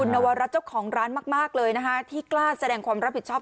นวรัฐเจ้าของร้านมากเลยนะคะที่กล้าแสดงความรับผิดชอบ